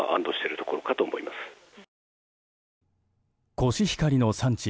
コシヒカリの産地